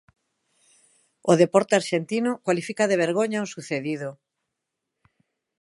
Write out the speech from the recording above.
O deporte arxentino cualifica de vergoña o sucedido.